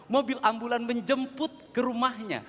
mobil ambulan menjemput ke rumahnya